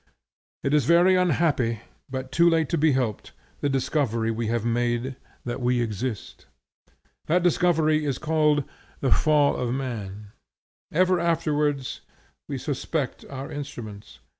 It is very unhappy, but too late to be helped, the discovery we have made that we exist. That discovery is called the Fall of Man. Ever afterwards we suspect our instruments.